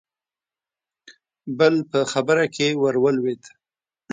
بل په خبره کې ورولوېد: